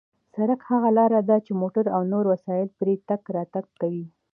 سړک هغه لار ده چې موټر او نور وسایط پرې تگ راتگ کوي.